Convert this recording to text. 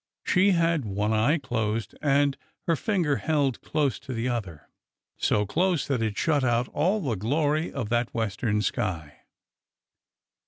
She had one eye closed and her finger held close to the other — so close that it shut out all the glory of that western sky.